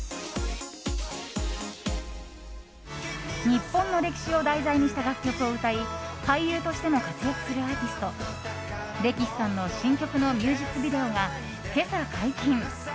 日本の歴史を題材にした楽曲を歌い俳優としても活躍するアーティストレキシさんの新曲のミュージックビデオが今朝、解禁。